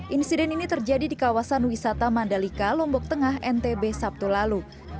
insiden ini terjadi di kawasan wisata mandalika lombok tengah ntb sabtu lalu